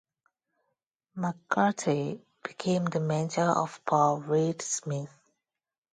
McCarty became the mentor of Paul Reed Smith.